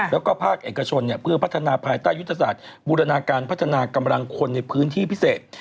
แล้วก็ภาคเอกชนเพื่อพัฒนาภายใต้ยุทธศาสตร์บูรณาการพัฒนากำลังคนในพื้นที่พิเศษ